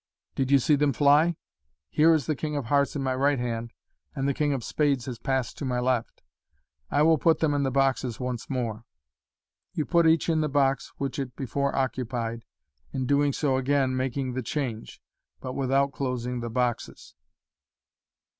" Did you see them fly ? Here is the king of hearts in my right hand, and the king of spades has passed to my left. I will put them in the boxes once more." You put each in the box which it before occupied, in doing so again makiug the change, but without closing the boxes.